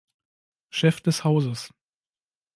Chef des Hauses.